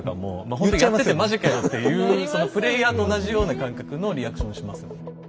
ほんとやって「マジかよ」っていうそのプレイヤーと同じような感覚のリアクションをしますもん。